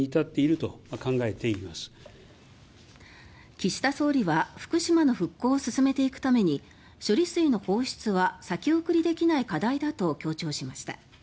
岸田総理は福島の復興を進めていくために処理水の放出は先送りできない課題だと強調しました。